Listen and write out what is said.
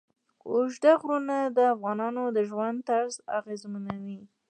اوږده غرونه د افغانانو د ژوند طرز اغېزمنوي.